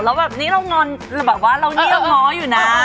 เราแบบเราย้อเหงี้ยงง้ออยู่นะ